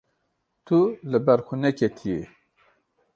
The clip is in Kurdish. Tu li ber xwe neketiyî.